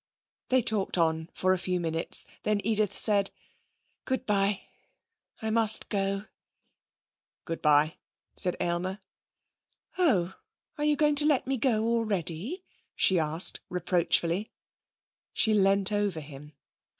They talked on for a few minutes. Then Edith said: 'Good bye. I must go.' 'Good bye,' said Aylmer. 'Oh! Are you going to let me go already?' she asked reproachfully. She leant over him.